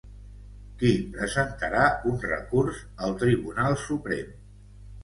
Qui presentarà un recurs al Tribunal Suprem?